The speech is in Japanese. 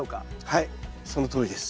はいそのとおりです。